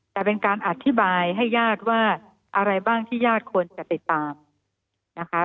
แต่เป็นการอธิบายให้ญาติว่าอะไรบ้างที่ญาติควรจะติดตามนะคะ